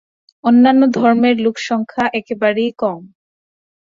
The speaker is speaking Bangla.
অন্যান্য ধর্মের লোকসংখ্যা একেবারেই কম।